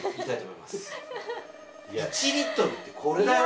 いや１リットルってこれだよ。